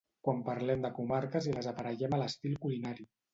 Quan parlem de comarques i les aparellem a l'estil culinari